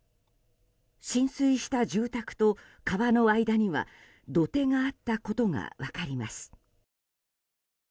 浸水した住宅と川の間には土手があったことが分かります。